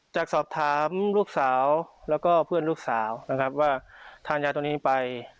จากสอบถามลูกสาวแล้วก็เพื่อนลูกสาวนะครับว่าทานยาตัวนี้ไป